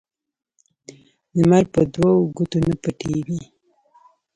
لمرپه دوو ګوتو نه پټيږي